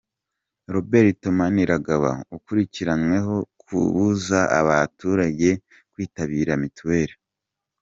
Robert Maniragaba ukurikiranyweho kubuza abaturage kwitabira mituweli.